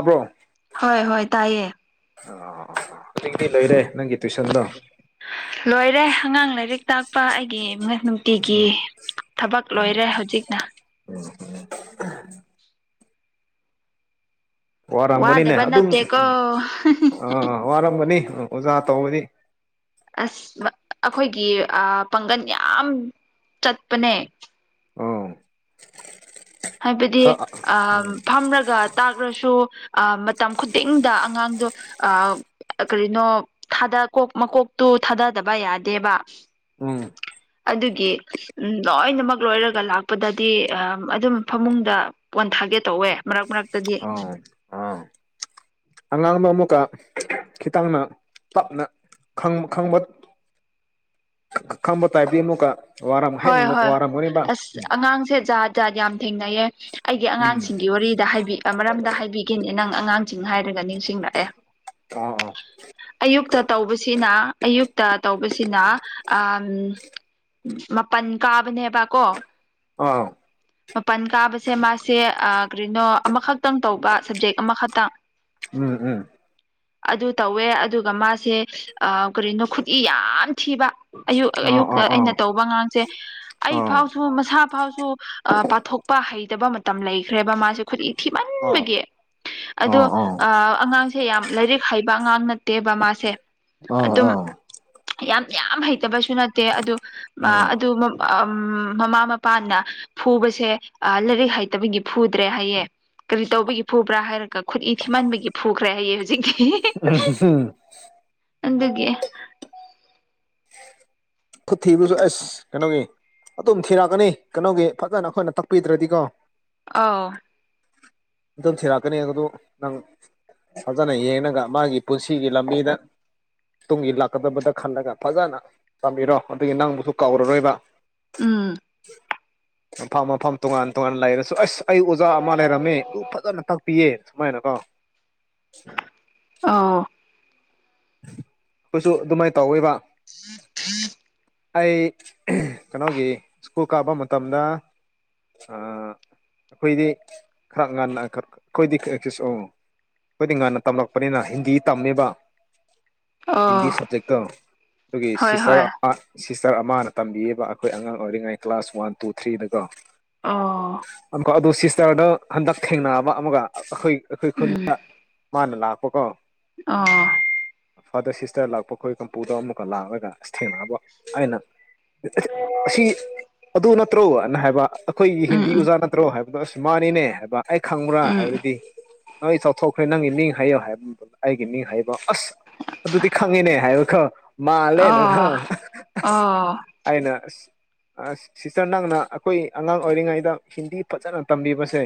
ꯑꯕꫭ ꯍꯣꯏ ꯍꯣꯏ ꯇꯥꯏꯌꯦ ꯍꯧꯖꯤꯛꯇꯤ ꯂꯩꯔꯦ ꯅꯪꯒꯤ ꯇꯨꯏꯁꯟꯗꯣ ꯂꯣꯏꯔꯦ ꯑꯉꯥꯡ ꯂꯥꯏꯔꯤꯛ ꯇꯥꯛ ꯄꯥ ꯑꯩꯒꯤ ꯅꯨꯡꯇꯤꯒꯤ ꯎꯝ ꯊꯕꯛ ꯂꯣꯏꯔꯦ ꯍꯧꯖꯤꯛꯅ ꯋꯥꯔꯝꯒꯅꯤꯅꯦ ꯋꯥꯗꯕ ꯑꯗꯨꯝ ꯅꯠꯇꯦꯀꯣ ꯑꯥ ꯋꯥꯔꯝꯒꯅꯤ ꯑꯣꯖꯥ ꯇꯧꯕꯗꯤ ꯑꯁ ꯑꯩꯈꯣꯏꯒꯤ ꯄꯥꯡꯒꯜ ꯌꯥꯝ ꯆꯠꯄꯅꯦ ꯑꯣ ꯍꯥꯏꯕꯗꯤ ꯑꯥ ꯐꯝꯔꯒ ꯇꯥꯛꯔꯁꯨ ꯑ ꯃꯇꯝ ꯈꯨꯗꯤꯡꯗ ꯑꯉꯥꯡꯗꯣ ꯑ ꯀꯔꯤꯅꯣ ꯊꯥꯗ ꯀꯣꯛ ꯃꯀꯣꯛꯇꯨ ꯊꯥꯗꯗꯕ ꯌꯥꯗꯦꯕ ꯎꯝ ꯑꯗꯨꯒꯤ ꯂꯣꯏꯅꯃꯛ ꯂꯣꯏꯔꯒ ꯂꯥꯛꯄꯗꯗꯤ ꯑꯝ ꯑꯗꯨꯝ ꯐꯃꯨꯡꯗ ꯄꯣꯟ ꯊꯥꯒꯦ ꯇꯧꯋꯦ ꯃꯔꯛ ꯃꯔꯛꯇꯗꯤ ꯑꯉꯥꯡꯕ ꯑꯃꯨꯛꯀ ꯈꯤꯇꯪꯅ ꯇꯞꯅ ꯈꯪꯕ ꯈꯪꯕ ꯇꯥꯏꯗꯤ ꯑꯃꯨꯛꯀ ꯋꯥꯔꯝ ꯍꯣꯏ ꯍꯦꯟꯅ ꯍꯣꯏ ꯋꯥꯔꯝꯒꯅꯤꯕ ꯑꯁ ꯑꯉꯥꯡꯁꯦ ꯖꯥ ꯖꯥꯠ ꯌꯥꯝ ꯊꯦꯡꯅꯩꯌꯦ ꯑꯩꯒꯤ ꯎꯝ ꯑꯉꯥꯡꯁꯤꯡꯒꯤ ꯋꯥꯔꯤꯗ ꯃꯔꯝꯗ ꯍꯥꯏꯕꯤꯒꯦꯅꯤ ꯅꯪ ꯑꯉꯥꯡꯁꯤꯡ ꯍꯥꯏꯔꯒ ꯅꯤꯡꯁꯤꯡꯂꯛꯑꯦ ꯑꯥ ꯑꯥ ꯑꯌꯨꯛꯇ ꯇꯧꯕꯁꯤꯅ ꯑꯌꯨꯛꯇ ꯇꯧꯕꯁꯤꯅ ꯑꯥꯝ ꯃꯄꯟ ꯀꯥꯕꯅꯦꯕ ꯀꯣ ꯑꯥ ꯃꯄꯥꯟ ꯀꯥꯕꯁꯦ ꯃꯥꯁꯦ ꯑꯥ ꯀꯔꯤꯅꯣ ꯑꯃꯈꯛꯇꯪ ꯇꯧꯕ ꯁꯕꯖꯦꯛ ꯑꯃꯈꯛꯇꯪ ꯎꯝ ꯎꯝ ꯑꯗꯨ ꯇꯧꯋꯦ ꯑꯗꯨꯒ ꯃꯥꯁꯦ ꯑꯥ ꯀꯔꯤꯅꯣ ꯈꯨꯠꯏ ꯌꯥꯝ ꯊꯤꯕ ꯑꯌꯨꯛ ꯑꯥ ꯑꯌꯨꯛꯇ ꯑꯥ ꯑꯩꯅ ꯇꯧꯕ ꯑꯉꯥꯡꯁꯦ ꯑꯥ ꯑꯩ ꯑꯥ ꯐꯥꯎꯁꯨ ꯃꯁꯥ ꯐꯥꯎꯁꯨ ꯄꯥꯊꯣꯛꯄ ꯍꯩꯇꯕ ꯃꯇꯝ ꯂꯩꯈ꯭ꯔꯦꯕ ꯃꯥꯁꯦ ꯈꯨꯗꯤ ꯑꯥ ꯊꯤꯃꯟꯕꯒꯤ ꯑꯗꯣ ꯑꯥ ꯑꯉꯥꯡꯁꯦ ꯌꯥꯝ ꯂꯥꯏꯔꯤꯛ ꯍꯩꯕ ꯑꯉꯥꯡ ꯅꯠꯇꯦꯕ ꯃꯥꯁꯦ ꯑ ꯑꯗꯨꯝ ꯑꯥ ꯌꯥꯝ ꯌꯥꯝ ꯍꯩꯇꯕꯁꯨ ꯅꯠꯇꯦ ꯑꯗꯨ ꯑꯗꯨ ꯎ ꯃꯃꯥ ꯃꯄꯥꯅ ꯐꯨꯕꯁꯦ ꯑ ꯂꯥꯏꯔꯤꯛ ꯍꯩꯇꯕꯒꯤ ꯐꯨꯗ꯭ꯔꯦ ꯍꯥꯏꯌꯦꯦ ꯀꯔꯤ ꯇꯧꯕꯒꯤ ꯐꯨꯕ꯭ꯔꯥ ꯍꯥꯏꯔꯒ ꯈꯨꯠ ꯏ ꯊꯤꯃꯟꯕꯒꯤ ꯐꯨꯈ꯭ꯔꯦ ꯍꯌꯦ ꯍꯧꯛ ꯎ ꯑꯗꯒꯤꯦ ꯐꯨ ꯊꯤꯕꯁꯨ ꯑꯦꯁ ꯀꯩꯅꯣꯒꯤ ꯑꯗꯨꯝ ꯊꯤꯔꯛꯀꯅꯤ ꯀꯩꯅꯣꯒꯤ ꯐꯖꯅ ꯑꯩꯈꯣꯏꯅ ꯇꯛꯄꯤꯗ꯭ꯔꯗꯤꯀꯣ ꯑ ꯑꯗꯨꯝ ꯊꯤꯔꯛꯀꯅꯤ ꯑꯗꯨꯗ ꯅꯪ ꯐꯖꯅ ꯌꯦꯡꯉꯒ ꯃꯥꯒꯤ ꯄꯨꯟꯁꯤꯒꯤ ꯂꯝꯕꯤꯗ ꯇꯨꯡꯒꯤ ꯂꯥꯛꯀꯗꯕꯗ ꯈꯜꯂꯒ ꯐꯖꯅ ꯇꯝꯕꯤꯔꯣ ꯑꯗꯨꯒꯤ ꯅꯪꯕꯨꯁꯨ ꯀꯥꯎꯔꯔꯣꯏꯕ ꯎꯝ ꯃꯐꯝ ꯃꯐꯝ ꯇꯣꯉꯥꯟ ꯇꯣꯉꯥꯟꯅ ꯂꯩꯔꯁꯨ ꯑꯁ ꯑꯩ ꯑꯣꯖꯥ ꯑꯃ ꯂꯩꯔꯝꯃꯦ ꯑꯗꯨ ꯐꯖꯅ ꯇꯥꯛꯄꯤꯌꯦ ꯁꯃꯥꯏꯅꯀꯣ ꯑ ꯀꯣꯏꯁꯨ ꯑꯗꯨꯃꯥꯏꯅ ꯇꯧꯋꯦꯕ ꯊ ꯑꯩ ꯀꯩꯅꯣꯒꯤ ꯁ꯭ꯀꯨꯜ ꯀꯥꯕ ꯃꯇꯝꯗ ꯑꯩꯈꯣꯏꯗꯤ ꯈꯔ ꯉꯟꯅ ꯑꯩꯈꯣꯏꯗꯤ ꯑꯩꯈꯣꯏꯗꯤ ꯉꯟꯅ ꯇꯝꯂꯛꯄꯅꯤꯅ ꯍꯤꯟꯗꯤ ꯇꯝꯃꯦꯕ ꯍꯤꯟꯗꯤ ꯑꯣ ꯁꯕꯖꯦꯛꯇ ꯑꯗꯨꯒꯤ ꯍꯣꯏ ꯍꯣꯏ ꯁꯤꯁꯇꯔ ꯑꯃ ꯁꯤꯁꯇꯔ ꯑꯃꯅ ꯇꯝꯕꯤꯌꯦꯕ ꯑꯩꯈꯣꯏ ꯑꯉꯥꯡ ꯑꯣꯏꯔꯤꯉꯩ ꯀ꯭ꯂꯥꯁ ꯋꯥꯟ ꯇꯨ ꯊ꯭ꯔꯤꯗꯀꯣ ꯑꯣ ꯑꯗꯨ ꯁꯤꯁꯇꯔꯗ ꯍꯟꯗꯛ ꯊꯦꯡꯅꯕ ꯑꯃꯒ ꯑꯩꯈꯣꯏ ꯑꯩꯈꯣꯏ ꯈꯨꯟꯗ ꯃꯥꯅ ꯂꯥꯛꯄꯀꯣ ꯑꯥ ꯐꯥꯗꯔ ꯁꯤꯁꯇꯔ ꯂꯥꯛꯄ ꯑꯩꯈꯣꯏ ꯀꯝꯄꯨꯗ ꯑꯃꯨꯛꯀ ꯂꯥꯛꯑꯒ ꯑꯁ ꯊꯦꯡꯅꯑꯕ ꯑꯩꯅ ꯑꯁꯤ ꯑꯗꯨ ꯅꯠꯇ꯭ꯔꯣꯅ ꯍꯥꯏꯕ ꯑꯩꯈꯣꯏꯒꯤ ꯎꯝ ꯍꯤꯟꯗꯤ ꯎꯝ ꯑꯣꯖꯥ ꯅꯠꯇ꯭ꯔꯣ ꯍꯥꯏꯕꯗꯣ ꯑꯁ ꯃꯥꯅꯤꯅꯦ ꯍꯥꯏꯕ ꯑꯩ ꯈꯪꯕ꯭ꯔꯥ ꯎꯝ ꯍꯥꯏꯕꯗꯤ ꯅꯣꯏ ꯆꯥꯎꯊꯣꯛꯈ꯭ꯔꯦ ꯅꯪꯒꯤ ꯅꯤꯡ ꯍꯥꯏꯌꯣ ꯍꯥꯏꯕ ꯑꯩꯒꯤ ꯃꯤ ꯍꯥꯏꯕ ꯑꯁ ꯑꯗꯨꯗꯤ ꯈꯪꯉꯤꯅꯦ ꯍꯥꯏꯕ ꯈ ꯃꯥꯜꯂꯦꯅ ꯈ ꯑꯣ ꯑꯣ ꯑꯅ ꯑ ꯁꯤꯁꯇꯔ ꯅꯪꯅ ꯑꯩꯈꯣꯏ ꯑꯉꯥꯡ ꯑꯣꯏꯔꯤꯉꯩꯗ ꯍꯤꯟꯗꯤ ꯐꯖꯅ ꯇꯝꯕꯤꯕꯁꯦ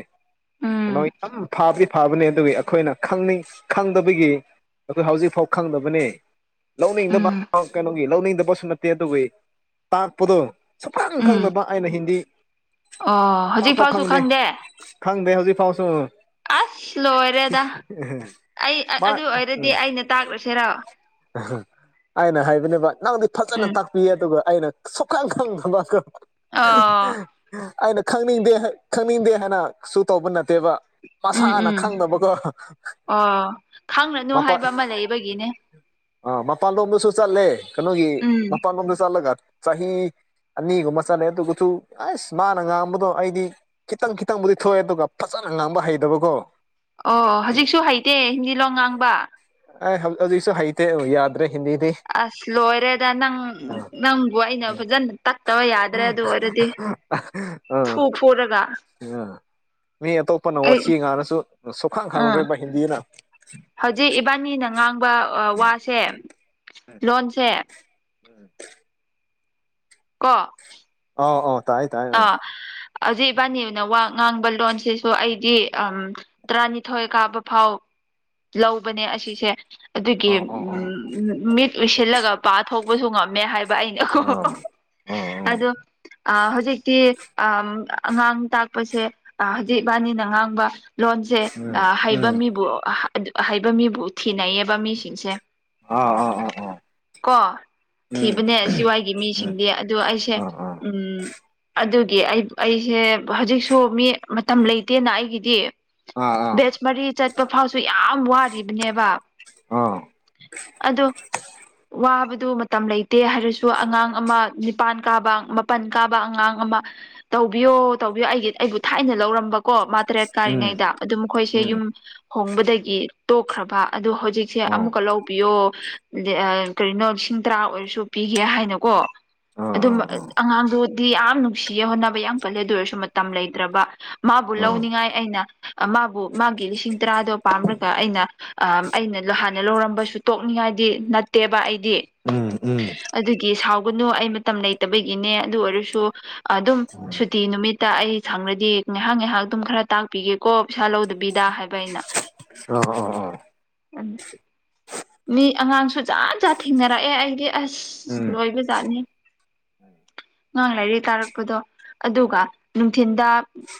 ꯀꯩꯅꯣ ꯏ ꯎꯝ ꯌꯥꯝ ꯈ ꯄ ꯐꯕꯅꯤ ꯑꯗꯨꯒꯤ ꯑꯩꯈꯣꯏꯅ ꯈꯪꯅꯤꯡ ꯈꯪꯗꯕꯒꯤ ꯑꯩꯈꯣꯏ ꯍꯧꯖꯤꯛꯐꯥꯎ ꯈꯪꯗꯕꯅꯤ ꯂꯧꯅꯤꯡꯗꯕ ꯎꯝ ꯀꯩꯅꯣꯒꯤ ꯂꯧꯅꯤꯡꯗꯕꯁꯨ ꯅ ꯦ ꯑꯗꯨꯒꯤ ꯇꯥꯛꯄꯗꯣ ꯁꯨꯞꯈꯪ ꯎꯝ ꯈꯪꯅꯕ ꯑꯩꯅ ꯍꯤꯟꯗꯤ ꯑꯣ ꯍꯧꯖꯤꯛ ꯐꯥꯎꯁꯨ ꯈꯪꯗꯦ ꯈꯪꯗꯦ ꯍꯧꯖꯤꯛ ꯐꯥꯎꯁꯨ ꯑꯁ ꯂꯣꯏꯔꯦꯗ ꯑꯩ ꯃꯥ ꯑꯗꯨ ꯑꯣꯏꯔꯗꯤ ꯑꯩꯅ ꯇꯥꯛꯂ꯭ꯔꯨꯁꯤꯔ ꯑꯅ ꯍꯥꯏꯕꯅꯦꯕ ꯅꯪꯗꯤ ꯐꯖꯅ ꯎꯝ ꯇꯥꯛꯄꯤꯌꯦ ꯑꯗꯨꯒ ꯑꯩꯅ ꯁꯣꯛꯀꯥꯡ ꯈꯪ ꯊꯕꯥꯪ ꯑꯣ ꯑꯩꯅ ꯈꯪꯅꯤꯡꯗꯦ ꯈꯪꯅꯤꯡꯗꯦ ꯍꯥꯏꯅ ꯁ ꯇꯧꯕ ꯅꯠꯇꯦꯕ ꯎꯝ ꯃꯁꯥꯅ ꯎꯝ ꯈꯪꯗꯕꯀꯣ ꯑꯣ ꯈꯪꯂꯅꯨ ꯃꯄꯥ ꯍꯥꯏꯕ ꯑꯃ ꯂꯩꯕꯒꯤꯅꯦ ꯑꯥ ꯃꯄꯥꯟ ꯂꯣꯝꯗꯁꯨ ꯆꯠꯂꯦ ꯀꯩꯅꯣꯒꯤ ꯎꯝ ꯃꯄꯥꯟꯂꯣꯝꯗ ꯆꯠꯂꯒ ꯆꯍꯤ ꯑꯅꯤꯒꯨꯝꯕ ꯆꯠꯂꯦ ꯑꯗꯨꯁꯨ ꯑꯁ ꯃꯥꯅ ꯉꯥꯡꯕꯗꯣ ꯑꯩꯗꯤ ꯈꯤꯇꯪ ꯈꯤꯇꯪꯕꯨꯗꯤ ꯊꯣꯛꯑꯦ ꯑꯗꯨꯒ ꯐꯖ ꯑ ꯉꯥꯡꯕ ꯍꯩꯇꯕꯀꯣ ꯑꯣ ꯍꯧꯖꯤꯛꯁꯨ ꯍꯩꯇꯦ ꯍꯤꯟꯗꯤ ꯂꯣꯟ ꯉꯥꯡꯕ ꯑ ꯑꯗꯨ ꯍꯧꯖꯤꯛꯁꯨ ꯍꯩꯇꯦ ꯌꯥꯗ꯭ꯔꯤ ꯑꯁ ꯂꯣꯏꯔꯦꯗ ꯅꯪ ꯑꯥ ꯅꯪꯕꯨ ꯑꯩꯅ ꯐꯖꯅ ꯇꯛꯇꯕ ꯌꯥꯗ꯭ꯔꯦ ꯑꯗꯨ ꯑꯣꯏꯔꯦ ꯗꯤ ꯐꯨ ꯑꯥ ꯐꯨꯔꯒ [inaudible] ꯃꯤ ꯑꯇꯣꯞꯄꯅ ꯋꯥ ꯑꯩ ꯁꯤ ꯉꯥꯅꯁꯨ ꯁꯣꯛꯈꯥꯡ ꯑꯥ ꯈꯪꯈ꯭ꯔꯦꯕ ꯍꯤꯟꯗꯤꯅ ꯍꯧꯖꯤꯛ ꯏꯕꯥꯅꯤꯅ ꯉꯥꯡꯕ ꯋꯥꯁꯦ ꯂꯣꯟꯁꯦ ꯎꯝ ꯀꯣ ꯑꯥꯎ ꯑꯣꯥꯎ ꯇꯥꯏ ꯇꯥꯏ ꯑꯥ ꯍꯧꯖꯤꯛ ꯏꯕꯥꯅꯤꯅ ꯋꯥ ꯉꯥꯡꯕ ꯂꯣꯟꯁꯤꯁꯨ ꯑꯩꯗꯤ ꯑꯝ ꯇꯔꯥꯅꯤꯊꯣꯏ ꯀꯥꯕ ꯐꯥꯎ ꯂꯧꯕꯅꯦ ꯑꯁꯤꯁꯦ ꯑꯗꯨꯒꯤ ꯑꯧ ꯑꯧ ꯑꯧ ꯎꯝ ꯃꯤꯠ ꯂꯨꯁꯤꯜꯂꯒ ꯄꯥꯊꯣꯛꯄꯁꯨ ꯉꯝꯃꯦ ꯍꯥꯏꯕ ꯑꯩꯅ ꯑꯥ ꯑꯥ ꯑꯥ ꯑꯗꯣ ꯍꯧꯖꯤꯛ ꯑ ꯑꯉꯥꯡ ꯇꯥꯛꯄꯁꯦꯖꯤ ꯏꯕꯥꯅꯤꯅ ꯉꯥꯡꯕ ꯂꯣꯟꯁꯦ ꯎꯝ ꯍꯩꯕ ꯎꯝ ꯃꯤꯕꯨ ꯍꯩꯕ ꯃꯤꯕꯨ ꯊꯤꯅꯩꯌꯦꯕ ꯃꯤꯁꯤꯡꯁꯦ ꯑꯣ ꯑꯣ ꯑꯣ ꯀꯣ ꯊꯤꯕꯅꯦ ꯁꯤꯋꯥꯏꯒꯤ ꯃꯤꯁꯤꯡꯗꯤ ꯑꯗꯣ ꯑꯩꯁꯦ ꯎꯝ ꯑꯥ ꯎꯝ ꯑꯗꯨꯒꯤ ꯑꯩ ꯑꯩꯁꯦ ꯍꯧꯖꯤꯛꯁꯨ ꯃꯤ ꯃꯇꯝ ꯂꯩꯇꯦꯅ ꯑꯩꯒꯤꯗꯤ ꯑꯥ ꯑꯥ ꯑꯥ ꯕꯦꯁꯃꯔꯤ ꯆꯠꯄ ꯐꯥꯎꯁꯨ ꯌꯥꯝ ꯋꯥꯔꯤꯕꯅꯦꯕ ꯑꯥ ꯑꯗꯣ ꯋꯥꯕ ꯑꯗꯨ ꯃꯇꯝ ꯂꯩꯇꯦ ꯍꯥꯏꯔꯁꯨ ꯑꯉꯥꯡ ꯑꯃ ꯅꯤꯄꯥꯟ ꯀꯥꯕ ꯃꯥꯄꯟ ꯀꯥꯕ ꯑꯉꯥꯡ ꯑꯃ ꯇꯧꯕꯤꯌꯣ ꯇꯧꯕꯤꯌꯣ ꯑꯩꯒꯤ ꯑꯩꯕꯨ ꯊꯥꯏꯅ ꯂꯧꯔꯝꯕ ꯀꯣ ꯃꯥ ꯇꯔꯦꯠ ꯎꯝ ꯀꯥꯔꯤꯉꯩꯗ ꯑꯗꯨ ꯃꯈꯣꯏꯁꯦ ꯎꯝ ꯌꯨꯝ ꯍꯣꯡꯕꯗꯒꯤ ꯇꯣꯛꯈ꯭ꯔꯕ ꯑꯗꯨ ꯍꯧꯖꯤꯛꯁꯦ ꯑꯣ ꯑꯃꯨꯛꯀ ꯂꯧꯕꯤꯌꯣ ꯀꯔꯤꯅꯣ ꯂꯤꯁꯤꯡ ꯇꯔꯥ ꯑꯣꯏꯔꯁꯨ ꯄꯤꯒꯦ ꯍꯥꯏꯅꯀꯣ ꯑꯥ ꯑꯥ ꯑꯗꯨꯝ ꯑꯥ ꯑꯉꯥꯡꯗꯨꯗꯤ ꯌꯥꯝ ꯅꯨꯡꯁꯤꯌꯦ ꯍꯣꯠꯅꯕ ꯌꯥꯝ ꯀꯜꯂꯦꯗ ꯑꯣꯏꯔꯁꯨ ꯇꯝ ꯂꯩꯇ꯭ꯔꯕ ꯃꯥꯕꯨ ꯑ ꯂꯧꯅꯤꯡꯉꯥꯏ ꯑꯩꯅ ꯃꯥꯕꯨ ꯃꯥꯒꯤ ꯂꯤꯁꯤꯡ ꯇꯔꯥꯗꯣ ꯄꯥꯝꯔꯒ ꯑꯩꯅ ꯑ ꯑꯩꯅ ꯍꯥꯟꯅ ꯂꯧꯔꯝꯕꯁꯨ ꯇꯣꯛꯅꯤꯡꯉꯥꯏ ꯅꯠꯇꯦꯕ ꯗꯤ ꯎꯝ ꯎꯝ ꯑꯗꯨꯒꯤ ꯁꯥꯎꯒꯅꯨ ꯑꯩ ꯃꯇꯝ ꯂꯩꯇꯕꯒꯤꯅꯦ ꯑꯗꯨ ꯑꯣꯏꯔꯁꯨ ꯑꯗꯨꯝ ꯁꯨꯇꯤ ꯅꯨꯃꯤꯠ ꯑꯩ ꯁꯪꯔꯗꯤ ꯉꯥꯏꯍꯥꯛ ꯉꯥꯏꯍꯥꯛ ꯑꯗꯨꯝ ꯈꯔ ꯇꯥꯛꯄꯤꯒꯦꯀꯣ ꯄꯩꯁꯥ ꯂꯧꯗꯕꯤꯗ ꯍꯥꯏꯕ ꯑꯩꯅ ꯑ ꯑ ꯑ ꯑ ꯃꯤ ꯑꯉꯥꯡꯁꯨ ꯖꯠꯖꯥꯠ ꯊꯦꯡꯅꯔꯛꯑꯦ ꯑꯩꯗꯤ ꯑꯁ ꯎꯝ ꯂꯣꯏꯕꯖꯥꯠꯅꯤ ꯉꯥꯡ ꯂꯥꯏꯔꯤ ꯇꯥꯔꯛꯄꯗꯣ ꯑꯗꯨꯒ ꯅꯨꯡꯊꯤꯟꯗ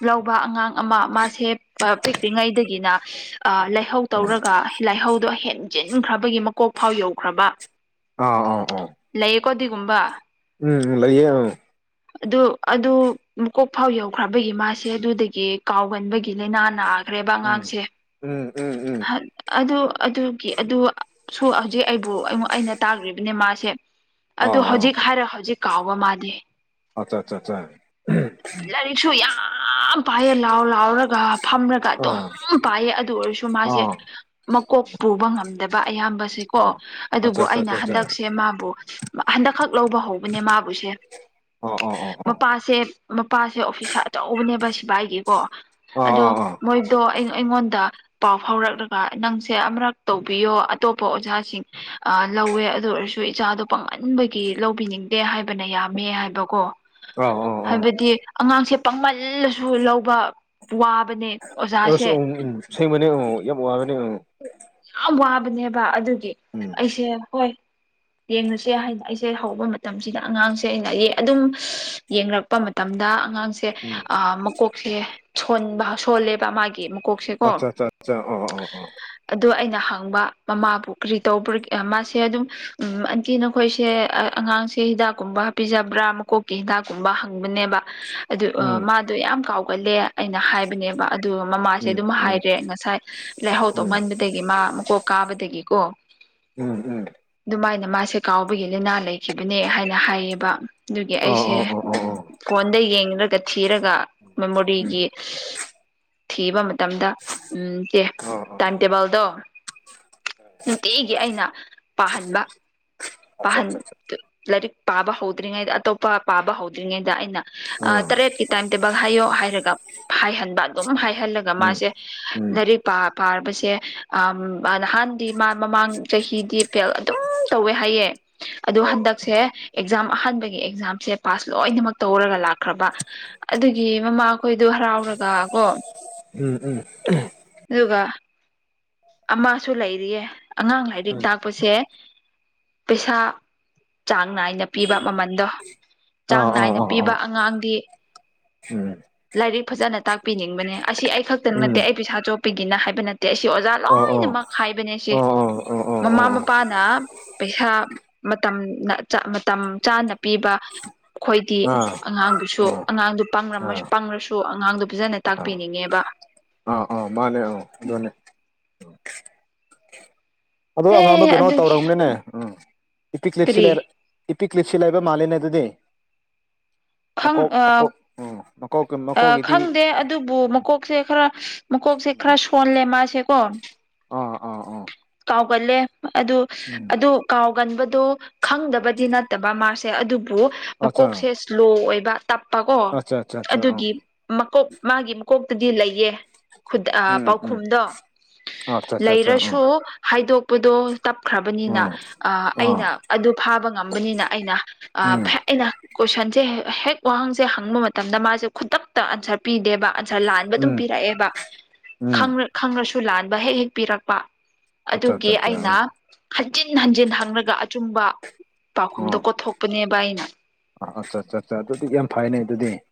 ꯂꯧꯕ ꯑꯉꯥꯡ ꯑꯃ ꯃꯥꯁꯦ ꯄꯤꯛ꯭ꯂꯤꯉꯩꯗꯒꯤꯅ ꯑ ꯂꯥꯏꯍꯧ ꯇꯧꯔꯒ ꯂꯥꯏꯍꯧꯗꯣ ꯍꯦꯟ ꯆ ꯏꯪꯈ꯭ꯔꯕꯒꯤ ꯃꯀꯣꯛ ꯐꯥꯎ ꯌꯧꯈ꯭ꯔꯕ ꯑꯥ ꯑꯥ ꯑꯥ ꯂꯩꯌꯦꯀꯣ ꯑꯗꯨꯒꯗꯤꯒꯨꯝꯕ ꯎꯝ ꯂꯩꯌꯦ ꯑꯗꯨ ꯑꯗꯨ ꯃꯨꯀꯣꯛ ꯐꯥꯎ ꯌꯧꯈ꯭ꯔꯕꯒꯤ ꯃꯥꯁꯦ ꯑꯗꯨꯗꯒꯤ ꯀꯥꯎꯒꯟꯕꯒꯤ ꯂꯥꯏꯅꯥꯅꯅꯥ ꯐꯥꯈ꯭ꯔꯦꯕ ꯎꯝ ꯑꯉꯥꯡꯁꯦ ꯎꯝ ꯎꯝ ꯎꯝ ꯑꯗꯨ ꯑꯗꯨꯒꯤ ꯑꯗꯨ ꯁ ꯍꯧꯖꯤꯛ ꯑꯩꯕꯨ ꯑꯩꯅ ꯇꯥꯈ꯭ꯔꯤꯕꯅꯦ ꯃꯥꯁꯦ ꯑꯥ ꯑꯗꯨ ꯑꯥ ꯍꯧꯖꯤꯛ ꯍꯥꯏꯔ ꯍꯧꯖꯤꯛ ꯀꯥꯎꯕ ꯃꯥꯗꯤ ꯑꯆꯥ ꯑꯆꯥ ꯑꯆꯥ ꯂꯥꯏꯔꯤꯛꯁꯨ ꯌꯥꯝ ꯄꯥꯏꯌꯦ ꯂꯥꯎ ꯂꯥꯎꯔꯒ ꯐꯝꯔꯒ ꯑꯗꯨꯝ ꯑꯥ ꯄꯥꯏꯌꯦ ꯑꯗꯨ ꯑꯣꯏꯔꯁꯨ ꯃꯥꯁꯦ ꯑꯥ ꯃꯀꯣꯛ ꯄꯨꯕ ꯉꯝꯗꯕ ꯑꯌꯥꯝꯕꯁꯦ ꯀꯣ ꯑꯠꯆꯥ ꯑꯗꯨꯕꯨ ꯑꯠꯆꯥ ꯑꯩꯅ ꯑꯠꯆꯥ ꯑꯠꯆꯥ ꯍꯟꯗꯛꯁꯦ ꯃꯥꯕꯨ ꯍꯟꯗꯛꯈꯛ ꯂꯧꯕ ꯍꯧꯕꯅꯦ ꯃꯥꯕꯨꯁꯦ ꯑꯥ ꯑꯥ ꯑꯥ ꯑꯥ ꯃꯄꯥꯁꯦ ꯃꯄꯥꯁꯦ ꯑꯣꯐꯤꯁ ꯑꯆꯧꯕꯅꯦꯕ ꯁꯤꯚꯥꯏꯒꯤꯀꯣ ꯑꯥ ꯑꯗꯣ ꯑꯥ ꯃꯣꯏꯗꯣ ꯑꯩꯉꯣꯟꯗ ꯄꯥꯎ ꯐꯥꯎꯔꯛꯂꯒ ꯅꯪꯁꯦ ꯑꯃꯨꯔꯛ ꯇꯧꯕꯤꯌꯣ ꯑꯇꯣꯞꯄ ꯑꯣꯖꯥꯁꯤꯡ ꯂꯧꯋꯦ ꯑꯗꯨ ꯑꯣꯏꯔꯁꯨ ꯏꯆꯥꯗꯣ ꯄꯥꯡꯍꯟꯕꯒꯤ ꯂꯧꯕꯤꯅꯤꯡꯗꯦ ꯍꯥꯏꯕꯅ ꯌꯥꯕ ꯝꯃꯦ ꯍꯥꯏꯕꯀꯣ ꯑ ꯑꯣ ꯍꯥꯏꯕꯗꯤ ꯑꯉꯥꯡꯁꯦ ꯄꯥꯡꯃꯜꯂꯁꯨ ꯂꯧꯕ ꯋꯥꯕꯅꯦ ꯑꯁ ꯎ ꯑꯣꯖꯥꯁꯦ ꯎꯝ ꯁꯦꯡꯕꯅꯦ ꯎꯝ ꯌꯥꯝ ꯋꯥꯕꯅꯦ ꯎꯝ ꯌꯥꯝ ꯋꯥꯕꯅꯦꯕ ꯑꯗꯨꯒꯤ ꯎꯝ ꯑꯩꯁꯦ ꯍꯣꯏ ꯌꯦꯡꯅꯨꯁꯦ ꯍꯥꯏꯅ ꯑꯩꯁꯦ ꯍꯧꯕ ꯃꯇꯝꯁꯤꯗ ꯑꯉꯥꯡꯁꯦ ꯑꯩꯅ ꯑꯗꯨꯝ ꯌꯦꯡꯔꯛꯄ ꯃꯇꯝ ꯗ ꯑꯉꯥꯡꯁꯦ ꯎꯝ ꯃꯀꯣꯛꯁꯦꯣꯟꯕ ꯁꯣꯜꯂꯦꯕ ꯃꯥꯒꯤ ꯃꯀꯣꯛꯁꯦꯀꯣ ꯑꯆꯥ ꯑꯆꯥ ꯑꯆꯥ ꯑ ꯑ ꯑ ꯑꯗꯣ ꯑꯩꯅ ꯍꯪꯕ ꯃꯃꯥꯕꯨ ꯀꯔꯤ ꯇꯧꯕ ꯃꯥꯁꯦ ꯑꯗꯨꯝ ꯎ ꯑꯟꯇꯤ ꯅꯈꯣꯏꯁꯦ ꯑꯉꯥꯡꯁꯦ ꯍꯤꯗꯥꯛꯀꯨꯝꯕ ꯍꯥꯞꯄꯤꯤꯖꯕ꯭ꯔꯥ ꯃꯀꯣꯛꯀꯤ ꯍꯤꯗꯥꯛꯀꯨꯝꯕ ꯍꯪꯕꯅꯦꯕ ꯑꯗꯨ ꯎꯝ ꯃꯥꯗꯣ ꯌꯥꯝ ꯀꯥꯎꯒꯠꯂꯦ ꯑꯩꯅ ꯍꯥꯏꯕꯅꯦꯕ ꯑꯗꯨ ꯃꯃꯥꯁꯦ ꯎꯝ ꯑꯗꯨꯝ ꯎꯝ ꯍꯥꯏꯔꯦ ꯉꯁꯥꯏ ꯂꯥꯏꯍꯧ ꯎꯝ ꯇꯧꯍꯟꯕ ꯗꯗꯒꯤ ꯃꯥ ꯃꯀꯣꯛ ꯀꯥꯕꯗꯒꯤꯀꯣ ꯎꯝ ꯎꯝ ꯑꯗꯨꯃꯥꯏꯅ ꯃꯥꯁꯦ ꯀꯥꯎꯕꯒꯤ ꯂꯥꯏꯅꯥ ꯂꯩꯈꯤꯕꯅꯦ ꯍꯥꯏꯅ ꯍꯥꯏꯌꯦꯕ ꯑꯗꯨꯒꯤ ꯑꯥ ꯑꯩꯁꯦ ꯑꯥ ꯑꯥ ꯑꯥ ꯑꯥ ꯐꯣꯟꯗ ꯌꯦꯡꯂꯡꯔꯒ ꯊꯤꯔꯒ ꯎꯝ ꯃꯦꯃꯣꯔꯤꯒꯤ ꯊꯤꯕ ꯃꯇꯝꯗ ꯎꯝ ꯆꯦ ꯑꯥ ꯑꯥ ꯇꯥꯏꯝ ꯇꯦꯕꯜꯗꯣ ꯅꯨꯡꯇꯤꯒꯤ ꯑꯩꯅ ꯄꯥꯍꯟꯕ ꯑꯠꯆꯥ ꯄꯥꯍꯟ ꯑꯠꯆꯥ ꯑꯠꯆꯥ ꯂꯥꯏꯔꯤꯛ ꯄꯥꯕ ꯍꯧꯗ꯭ꯔꯤꯉꯩꯗ ꯑꯇꯣꯞꯄ ꯄꯥꯕ ꯍꯧꯗ꯭ꯔꯤꯉꯩꯗ ꯑꯩꯅ ꯑꯥ ꯇꯔꯦꯠꯀꯤ ꯇꯥꯏꯝ ꯇꯦꯕꯜ ꯍꯥꯏꯌꯣ ꯍꯥꯏꯔꯒ ꯍꯥꯏꯍꯟꯕ ꯑꯗꯨꯝ ꯍꯥꯏꯍꯜꯂꯒ ꯎꯝ ꯃꯥꯁꯦ ꯎꯝ ꯂꯥꯏꯔꯤꯛ ꯄꯥ [inaudible] ꯁꯦ ꯑ ꯅꯍꯥꯟꯗꯤ ꯃꯥ ꯃꯃꯥꯡ ꯆꯍꯤꯗꯤ ꯐꯦꯜ ꯑꯗꯨꯝ ꯇꯧꯋꯦ ꯍꯥꯏꯌꯦ ꯑꯗꯨꯗꯣ ꯍꯟꯗꯛꯁꯦ ꯑꯦꯛꯖꯥꯝ ꯑꯍꯥꯟꯕꯒꯤ ꯑꯦꯛꯖꯥꯝꯁꯦ ꯄꯥꯁ ꯂꯣꯏꯅꯃꯛ ꯇꯧꯔꯒ ꯂꯥꯛꯈ꯭ꯔꯕ ꯑꯗꯨꯒꯤ ꯃꯃꯥꯈꯣꯏꯗꯨ ꯍꯔꯥꯎꯔꯒ ꯀꯣ ꯎꯝ ꯎꯝ ꯑꯗꯨꯒ ꯑꯃꯁꯁꯨ ꯂꯩꯔꯤꯌꯦ ꯑꯉꯥꯡ ꯂꯥꯏꯔꯤꯛ ꯑꯥ ꯇꯥꯛꯄꯁꯦ ꯄꯩꯁꯥ ꯆꯥꯡ ꯅꯥꯏꯅ ꯄꯤꯕ ꯃꯃꯟꯗꯣ ꯆꯥꯡ ꯑꯥ ꯅꯥꯏꯅ ꯑꯥ ꯑꯥ ꯄꯤꯕ ꯑꯉꯥꯡꯗꯤ ꯎꯝ ꯂꯥꯏꯔꯤꯛ ꯐꯖꯅ ꯇꯥꯛꯄꯤꯅꯤꯡꯕꯅꯦ ꯑꯁꯤ ꯑꯩ ꯈꯛꯇ ꯎꯝ ꯅꯠꯇꯦ ꯑꯩ ꯄꯩꯁꯥ ꯆꯣꯄꯤꯒꯤꯅ ꯍꯥꯏꯕ ꯅꯠꯇꯦ ꯑꯁꯤ ꯑꯣꯖꯥ ꯂꯣꯏ ꯑꯥ ꯑꯥ ꯂꯣꯏꯅꯃꯛ ꯍꯥꯏꯕꯅꯦ ꯁꯤꯦ ꯑꯥ ꯑꯥ ꯑꯥ ꯑꯥ ꯑꯥ ꯑꯥ ꯑꯥ ꯃꯃꯥ ꯃꯄꯥꯅ ꯄꯩꯁꯥ ꯃꯇꯝ ꯃꯇꯝ ꯆꯥꯅ ꯄꯤꯕ ꯑꯩꯈꯣꯏꯗꯤ ꯑꯉꯥꯡꯗꯨꯁꯨ ꯑꯉꯥꯡꯗꯨ ꯄꯥꯡꯉꯝꯃꯁꯨ ꯑꯥ ꯄꯥꯡꯉꯁꯨ ꯑꯉꯥꯡꯗꯣ ꯐꯖꯅ ꯑꯥ ꯇꯥꯛꯄꯤꯅꯤꯡꯉꯦꯕ ꯑꯥ ꯑꯥ ꯃꯥꯅꯦ ꯑꯥ ꯑꯗꯨꯅꯦ ꯑꯗꯣ ꯑꯉꯥꯡꯗꯣ ꯑꯦ ꯀꯩꯅꯣ ꯑꯗꯨꯒꯤ ꯇꯧꯔꯕꯅꯤꯅꯦ ꯎꯝ ꯏꯇꯤꯛꯞꯁꯤ ꯀꯔꯤ ꯂꯩ ꯏꯄꯤꯛ ꯂꯤꯂꯤꯞꯁꯤ ꯂꯩꯕ ꯃꯥꯂꯦꯅꯦ ꯑꯗꯨꯗꯤ ꯈꯪ ꯃꯀꯣꯛ ꯑ ꯃꯀꯣꯛ ꯎꯝ ꯃꯀꯣꯛ ꯃꯀꯣꯛꯒꯤꯗꯤ ꯈꯪꯗꯦ ꯑꯗꯨꯕꯨ ꯃꯀꯣꯛꯁꯦ ꯈꯔ ꯃꯀꯣꯛꯁꯦ ꯈꯔ ꯁꯣꯜꯂꯦ ꯃꯥꯁꯦꯀꯣ ꯑꯥ ꯑꯥ ꯑꯥ ꯀꯥꯎꯒꯜꯂꯦ ꯑꯗꯨ ꯎꯝ ꯑꯗꯨ ꯀꯥꯎꯒꯟꯕꯗꯣ ꯈꯪꯗꯕꯗꯤ ꯅꯠꯇꯕ ꯃꯥꯁꯦ ꯑꯗꯨ ꯑꯠꯆꯥ ꯃꯀꯣꯛꯁꯦ ꯏꯁꯂꯣ ꯑꯣꯏꯕ ꯇꯞꯄ ꯀꯣ ꯑꯠꯆꯥ ꯑꯠꯆꯥ ꯑꯠꯆꯥ ꯑꯥ ꯑꯗꯨꯒꯤ ꯀꯣꯛ ꯃꯥꯒꯤ ꯃꯀꯣꯛꯇꯗꯤ ꯂꯩꯌꯦ ꯎꯝ ꯎꯝ ꯄꯥꯎꯈꯨꯝꯗꯣ ꯑꯠꯆꯥ ꯑꯠꯆꯥ ꯑꯠꯆꯥ ꯂꯩꯔꯁꯨ ꯁꯨ ꯑꯥ ꯍꯥꯏꯗꯣꯛꯄꯗꯣ ꯇꯞꯈ꯭ꯔꯕꯅꯤꯅ ꯑꯥ ꯑꯥ ꯑꯩꯅ ꯑꯗꯨ ꯐꯥꯕ ꯉꯝꯕꯅꯤꯅ ꯑꯩꯅ ꯎꯝ ꯑꯗ ꯀꯣꯏꯁꯟꯁꯦ ꯍꯦꯛ ꯋꯥꯍꯪꯁꯦ ꯍꯪꯕ ꯃꯇꯝꯗ ꯃꯥꯁꯦ ꯈꯨꯗꯛꯇ ꯑꯟꯁꯔ ꯄꯤꯗꯦꯕ ꯑꯟꯁꯥ ꯂꯥꯟꯕ ꯑꯗꯨꯝ ꯎꯝ ꯄꯤꯔꯛꯑꯦꯕ ꯎꯝ ꯈꯪꯉꯁꯨ ꯂꯥꯟꯕ ꯍꯦꯛ ꯍꯦꯛ ꯄꯤꯔꯛꯄ ꯑꯠꯆꯥ ꯑꯠꯆꯥ ꯑꯗꯨꯒꯤ ꯑꯠꯆꯥ ꯑꯩꯅ ꯑꯥ ꯍꯟꯖꯤꯟ ꯍꯟꯖꯤꯟ ꯍꯉꯒ ꯑꯆꯨꯝꯕ ꯄꯥꯎꯈꯨꯝꯗꯣ ꯀꯣꯊꯣꯛꯄꯅꯦꯕ ꯑꯩꯅ ꯑꯥ ꯑꯠꯆꯥ ꯑꯠꯆꯥ ꯑꯠꯆꯥ ꯑꯗꯨꯗꯤ ꯌꯥꯝ ꯐꯥꯏꯅꯦ ꯑꯗꯨꯗꯤ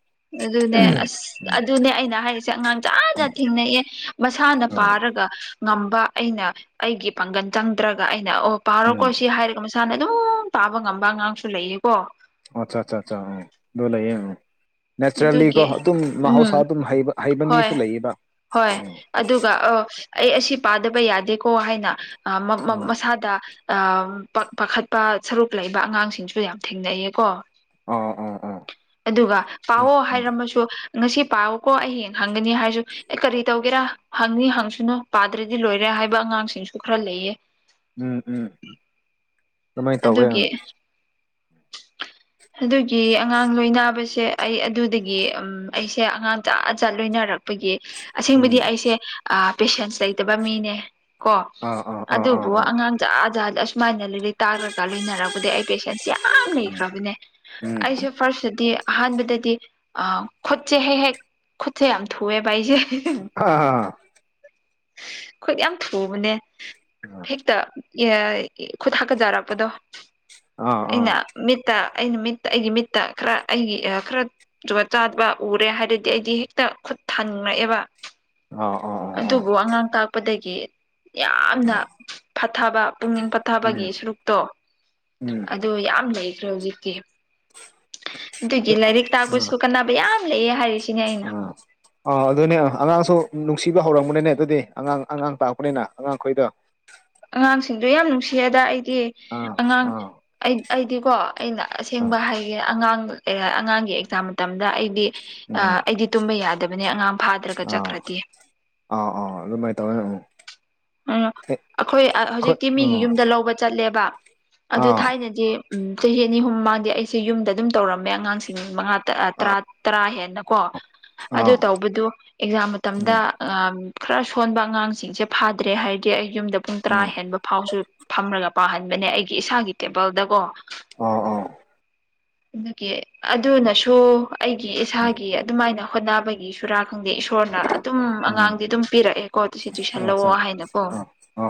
ꯑꯗꯨꯅꯦ ꯑꯁ ꯎꯝ ꯑꯗꯨꯅꯦ ꯑꯩꯅ ꯍꯥꯏꯔꯤꯁꯦ ꯑꯉꯥꯡ ꯆꯥꯅ ꯊꯦꯡꯅꯩꯑꯦ ꯃꯁꯥꯅ ꯑ ꯄꯥ ꯊꯔꯒ ꯉꯝꯕ ꯑꯩꯅ ꯑꯩꯒꯤ ꯄꯥꯡꯒꯜ ꯆꯪꯗ꯭ꯔꯒ ꯑꯩꯅ ꯑꯣ ꯄꯥꯔꯣꯀꯣ ꯎꯝ ꯁꯤ ꯍꯥꯏꯔꯒ ꯃꯁꯥꯅ ꯑꯗꯨꯝ ꯄꯥꯕ ꯉꯝꯕ ꯑꯉꯥꯡꯁꯨ ꯂꯩꯌꯦꯀꯣ ꯑꯆꯥ ꯑꯆꯥ ꯑꯆꯥ ꯑ ꯗꯣ ꯂꯩꯌꯦ ꯅꯦꯆꯔꯦꯜꯂꯤꯀꯣ ꯑꯗꯨꯒꯤ ꯑꯗꯨꯝ ꯃꯍꯧꯁꯥ ꯎꯝ ꯑꯗꯨꯝ ꯍꯩꯕ ꯍꯣꯏ ꯃꯤꯁꯨ ꯂꯩꯌꯦꯕ ꯍꯣꯏ ꯎꯝ ꯑꯗꯨꯒ ꯑ ꯑꯩ ꯑꯁꯤ ꯄꯥꯗꯕ ꯌꯥꯗꯦꯀꯣ ꯍꯥꯏꯅ ꯎꯝ ꯃꯁꯥꯗ ꯄꯥꯈꯠꯄ ꯁꯔꯨꯛ ꯂꯩꯕ ꯑꯉꯥꯡꯁꯤꯡꯁꯨ ꯌꯥꯝ ꯊꯦꯡꯅꯩꯌꯦꯀꯣ ꯑꯥ ꯑꯥ ꯑꯥ ꯑꯗꯨꯒ ꯎꯝ ꯄꯥꯑꯣꯣ ꯎꯝ ꯍꯥꯏꯔꯝꯃꯁꯨ ꯉꯁꯤ ꯄꯥꯎꯀꯣ ꯑꯩ ꯍꯡ ꯍꯪꯒꯅꯤ ꯍꯥꯏꯔꯁꯨ ꯑꯦ ꯀꯔꯤ ꯇꯧꯒꯦꯔꯥ ꯍꯪꯅꯤ ꯍꯪꯁꯨꯅꯨ ꯄꯥꯗ꯭ꯔꯗꯤ ꯂꯣꯏꯔ ꯔꯦ ꯍꯥꯏꯕ ꯑꯉꯥꯡꯁꯤꯡꯁꯨ ꯈꯔ ꯂꯩꯌꯦ ꯎꯝ ꯎꯝ ꯑꯗꯨꯃꯥꯏꯅ ꯇꯧꯋꯦ ꯑꯗꯨꯒꯤ ꯑꯗꯨꯒꯤ ꯑꯉꯥꯡ ꯂꯣꯏꯕꯁꯤ ꯁꯦ ꯑꯩ ꯑꯗꯨꯗꯒꯤ ꯎꯝ ꯑꯩꯁꯦ ꯑꯉꯥꯡ ꯆꯖꯥꯖꯥꯠ ꯂꯣꯏꯅꯔꯛꯄꯒꯤ ꯑꯁꯦꯡꯕꯗꯤ ꯎꯝ ꯑꯩꯁꯦ ꯄꯦꯁꯦꯟꯁ ꯂꯩꯇꯕ ꯃꯤꯅꯦ ꯀꯣ ꯑꯥ ꯑꯥ ꯑꯥ ꯑꯥ ꯑꯗꯨꯕꯨ ꯑꯥ ꯑꯉꯥꯡ ꯖꯥ ꯖꯥꯗꯤ ꯑꯁꯨꯃꯥꯏꯅ ꯂꯩ ꯇꯥꯔꯒ ꯂꯣꯏꯅꯔꯔꯕꯗꯤ ꯑꯩ ꯄꯦꯁꯦꯟꯁ ꯌꯥꯝ ꯎꯝ ꯂꯩꯈ꯭ꯔꯕꯅꯦ ꯎꯝ ꯑꯩꯁꯨꯦ ꯐꯥꯔꯁꯇꯗꯤ ꯑꯍꯥꯟꯕꯗꯗꯤ ꯈꯨꯠꯁꯦ ꯍꯦꯛ ꯍꯦꯛ ꯈꯨꯠꯁꯦ ꯌꯥꯝ ꯊꯨꯑꯦꯕ ꯑꯩꯁꯦ ꯑ ꯍ ꯑꯩꯈꯣꯏ ꯌꯥꯝ ꯊꯨꯕꯅꯦ ꯍꯦꯛꯇ ꯈꯨꯈꯣꯏ ꯊ ꯀꯖꯥꯔꯛꯄꯗꯣ ꯑꯥ ꯑꯩꯅ ꯃꯤꯠꯇ ꯑꯩ ꯅꯨ ꯃꯤꯠꯇ ꯑꯩꯒꯤ ꯃꯤꯠꯇ ꯈꯔ ꯑꯩꯒꯤ ꯈꯔ ꯖꯨꯠ ꯆꯥꯗꯕ ꯎꯔꯦ ꯍꯥꯏꯔꯗꯤ ꯑꯩꯗꯤ ꯍꯦꯛꯇ ꯊꯟꯉꯛꯑꯦꯕ ꯑꯥ ꯑꯥ ꯑꯥ ꯑꯗꯨꯕꯨ ꯑꯉꯥꯡ ꯇꯥꯛꯄꯗꯒꯤ ꯌꯥꯝꯅ ꯐꯊꯕ ꯄꯨꯛꯅꯤꯡ ꯐꯠꯊꯕ ꯎꯝ ꯁꯨꯔꯨꯛꯇꯣ ꯎꯝ ꯑꯗꯨ ꯌꯥꯝ ꯂꯩꯈ꯭ꯔꯦ ꯍꯧꯖꯤꯛꯇꯤ ꯑꯗꯨꯒꯤ ꯂꯥꯏꯔꯤꯛ ꯇꯥꯛꯄꯁꯨ ꯀꯥꯟꯅꯕ ꯌꯥꯝ ꯂꯩꯌꯦ ꯍꯥꯏꯔꯤꯁ ꯑ ꯑ ꯑꯗꯨꯅꯦ ꯑꯉꯥꯡꯁꯨ ꯅꯨꯡꯁꯤꯕ ꯍꯧꯔꯝꯕꯅꯤꯅꯦ ꯑꯗꯨꯗꯤ ꯑꯉꯥꯡ ꯑꯉꯥꯡ ꯇꯥꯛꯄꯅꯤꯅ ꯑꯉꯥꯡꯈꯣꯏꯗꯣ ꯑꯉꯥꯡꯁꯤꯡꯁꯨꯣ ꯌꯥꯝ ꯅꯨꯡꯁꯤ ꯑꯗ ꯑꯩ ꯑꯥ ꯑꯉꯥꯡ ꯑꯥ ꯑꯩ ꯑꯩꯗꯤꯀꯣ ꯑꯩꯅ ꯑꯥ ꯑꯁꯦꯡꯕ ꯍꯥꯏꯒꯦ ꯑꯉꯥꯡ ꯂꯩ ꯑꯉꯥꯡꯒꯤ ꯑꯦꯛꯖꯥꯝ ꯃꯇꯝꯗ ꯑꯩꯗꯤ ꯎꯝ ꯑꯩꯗꯤ ꯇꯨꯝꯕ ꯌꯥꯗꯕꯅꯦ ꯑꯉꯥꯡ ꯐꯥꯗ꯭ꯔꯒ ꯑꯥ ꯆꯀ꯭ꯔꯗꯤ ꯑꯥ ꯑꯥ ꯑꯗꯨꯃꯥꯏꯅ ꯇꯧꯋꯦ ꯎꯝ ꯑ ꯑꯩꯈꯣꯏ ꯈꯨꯠ ꯍꯧꯖꯤꯛꯇꯤ ꯃꯤꯒꯤ ꯎꯝ ꯌꯨꯝꯗ ꯂꯧꯕ ꯆꯠꯂꯦꯕ ꯑꯗꯨ ꯑꯥ ꯊꯥꯏꯅꯗꯤ ꯎꯝ ꯆꯍꯤ ꯑꯅꯤ ꯑꯍꯨꯝ ꯃꯥꯡꯗꯦ ꯑꯩꯁꯦ ꯌꯨꯝꯗ ꯑꯗꯨꯝ ꯇꯧꯔꯝꯃꯦ ꯑꯉꯥꯡꯁꯤꯡ ꯃꯉꯥ ꯇꯔꯥ ꯇꯔꯥ ꯍꯦꯟꯅ ꯀꯣ ꯑꯗꯨ ꯑꯥ ꯇꯧꯕꯗꯨ ꯑꯦꯛꯖꯥꯝ ꯃꯇꯝꯗ ꯎꯝ ꯈꯔ ꯁꯣꯟꯕ ꯑꯉꯥꯡꯁꯤꯡꯁꯦ ꯐꯥꯗ꯭ꯔꯦ ꯍꯥꯏꯔꯗꯤ ꯑꯩ ꯌꯨꯝꯗ ꯄꯨꯡ ꯇꯔꯥ ꯎꯝ ꯍꯦꯟꯕ ꯐꯥꯎꯁꯨ ꯐꯝꯔꯒ ꯄꯥꯍꯟꯕꯅꯦ ꯑꯩꯒꯤ ꯏꯁꯥꯒꯤ ꯇꯦꯕꯜꯗꯀꯣ ꯑꯥ ꯑꯥ ꯑꯗꯨꯒꯤ ꯑꯗꯨꯅꯁꯨ ꯑꯩꯒꯤ ꯏꯁꯥꯒꯤ ꯑꯗꯨꯃꯥꯏꯅ ꯍꯣꯠꯅꯕꯒꯤ ꯁꯨꯔꯥꯛ ꯈꯪꯗꯦ ꯏꯁꯣꯔꯅ ꯑꯗꯨꯝ ꯑꯉꯥꯡꯗꯤ ꯎꯝ ꯑꯗꯨꯝ ꯄꯤꯔꯛꯑꯦꯀꯣ ꯇꯨꯁꯤ ꯇꯨꯏꯁꯟ ꯂꯑꯣ ꯑꯆꯥ ꯍꯥꯏꯅꯀꯣ ꯑꯥ ꯑꯥ